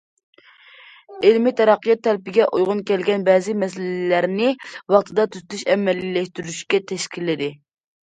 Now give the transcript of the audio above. ئىلمىي تەرەققىيات تەلىپىگە ئۇيغۇن كەلگەن بەزى مەسىلىلەرنى ۋاقتىدا تۈزىتىش، ئەمەلىيلەشتۈرۈشكە تەشكىللىدى.